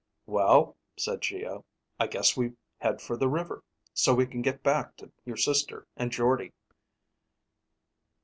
"Well," said Geo, "I guess we head for the river, so we can get back to your sister and Jordde."